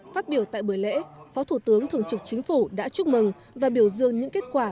phát biểu tại buổi lễ phó thủ tướng thường trực chính phủ đã chúc mừng và biểu dương những kết quả